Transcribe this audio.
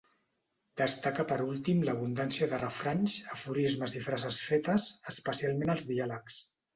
Destaca per últim l'abundància de refranys, aforismes i frases fetes, especialment als diàlegs.